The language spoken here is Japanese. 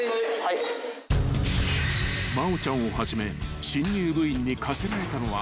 ［真央ちゃんをはじめ新入部員に課せられたのは］